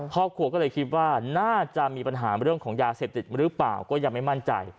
ครอบครัวก็เลยคิดว่าน่าจะมีปัญหาเรื่องของยาเสพติดหรือเปล่าก็ยังไม่มั่นใจ